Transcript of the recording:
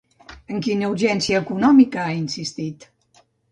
En quina urgència econòmica ha insistit?